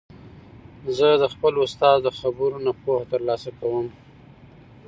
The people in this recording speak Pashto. زه د خپل استاد د خبرو نه پوهه تر لاسه کوم.